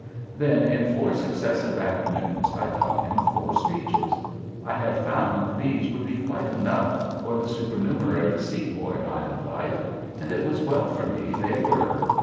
Then in four successive afternoons I taught him four speeches. I had found these would be quite enough for the supernumerary Sepoy line of life, and it was well for me they were.